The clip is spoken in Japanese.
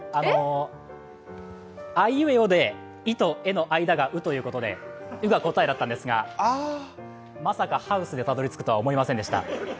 あいうえおで、「い」と「え」の間が「う」なので「う」が答えだったんですが、まさかハウスでたどりつくとは思いませんでした。